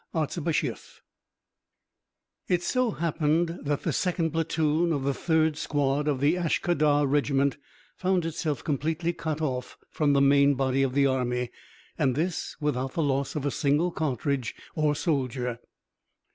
ARTZIBASHEF It so happened that the second platoon of the third squad of the Ashkadar regiment found itself completely cut off from the main body of the army, and this without the loss of a single cartridge or soldier.